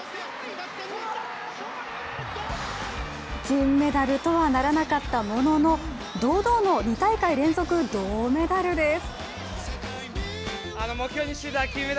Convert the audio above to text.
金メダルとはならなかったものの堂々の２大会連続銅メダルです。